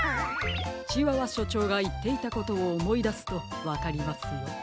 チワワしょちょうがいっていたことをおもいだすとわかりますよ。